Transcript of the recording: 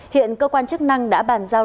hiện cơ quan chức năng đã bàn giao